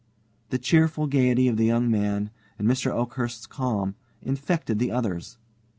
The cheerful gaiety of the young man, and Mr. Oakhurst's calm, infected the others.